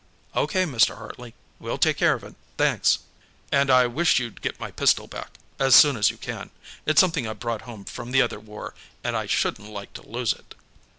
"O. K., Mr. Hartley. We'll take care of it. Thanks." "And I wish you'd get my pistol back, as soon as you can. It's something I brought home from the other War, and I shouldn't like to lose it."